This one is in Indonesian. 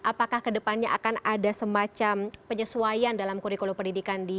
apakah ke depannya akan ada semacam penyesuaian dalam kurikulum pendidikan di smp